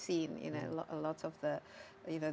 seperti yang kita lihat